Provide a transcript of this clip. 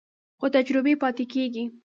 خو تجربې پاتې کېږي.